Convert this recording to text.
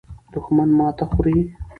دښمن ماته خوري.